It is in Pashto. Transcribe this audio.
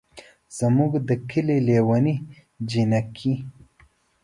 زمونږ ده کلي لېوني جينکۍ